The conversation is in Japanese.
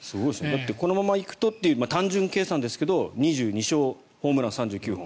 このまま行くとという単純計算ですが２２勝、ホームラン３９本。